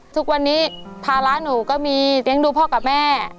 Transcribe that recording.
ทุกวันนี้ภาระหนูก็มีเลี้ยงดูพ่อกับแม่